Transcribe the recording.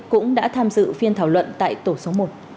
cũng đã tham dự phiên thảo luận tại tổ số một